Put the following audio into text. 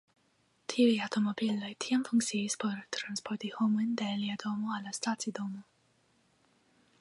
Tiuj aŭtomobiloj tiam funkciis por transporti homojn de ilia domo al la stacidomo.